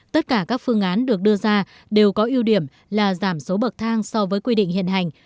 tất cả các phương án được đưa ra đều có ưu điểm là giảm số bậc thang so với quy định hiện hành